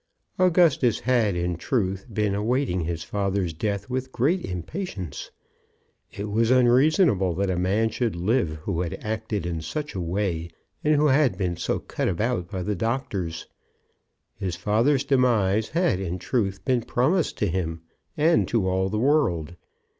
Augustus had, in truth, been awaiting his father's death with great impatience. It was unreasonable that a man should live who had acted in such a way and who had been so cut about by the doctors. His father's demise had, in truth, been promised to him, and to all the world.